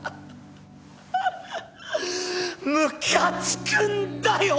ムカつくんだよ